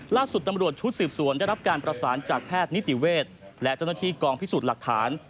ล่าสุดตำรวจชุดสืบสวนได้รับการประสานจากแพทย์นิติเวศและเจ้าหน้าที่กองพิสูจน์หลักฐาน